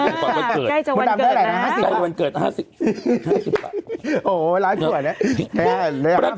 ใกล้จะวันเกิดนะฮะใกล้วันเกิด๕๐บาทใกล้วันเกิด๕๐บาท